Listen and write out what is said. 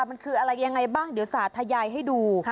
มันคืออะไรยังไงบ้างเดี๋ยวสาธยายให้ดู